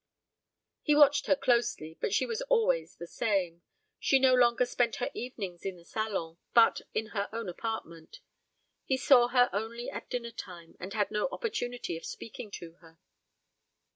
He watched her closely, but she was always the same. She no longer spent her evenings in the salon, but in her own apartment. He saw her only at dinner time, and had no opportunity of speaking to her.